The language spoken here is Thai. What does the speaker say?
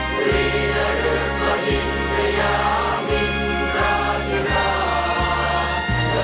พู่รีนะฤูพะหิลสย่ามิงประกิดา